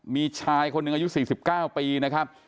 มีชายคนหนึ่งอายุ๔๙ปีนะครับ